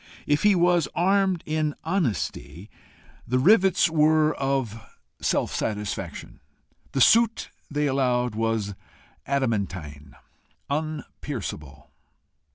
If he was armed in honesty, the rivets were of self satisfaction. The suit, they allowed, was adamantine, unpierceable.